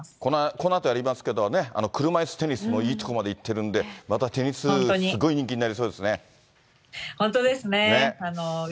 このあとやりますけどね、車いすテニスもいいとこまで行ってるんで、またテニス、すごい人本当ですね。